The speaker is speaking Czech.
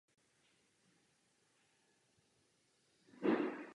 Antarktida byla během tohoto „dopadu“ skoro zničena a zemská osa se silou události posunula.